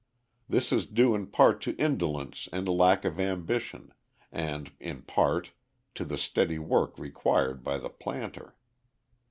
This is due in part to indolence and lack of ambition, and in part to the steady work required by the planter.